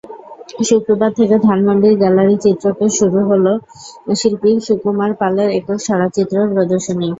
শুক্রবার থেকে ধানমন্ডির গ্যালারি চিত্রকে শুরু হলো শিল্পী সুকুমার পালের একক সরাচিত্র প্রদর্শনী।